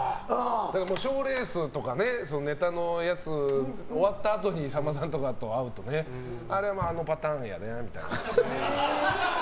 賞レースとかネタのやつが終わったあとにさんまさんとかと会うとあれはあのパターンやねみたいな。